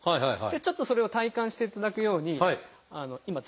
ちょっとそれを体感していただくように今座布団が用意されて。